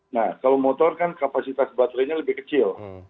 nah kalau motor kan kapasitas baterainya lebih kecil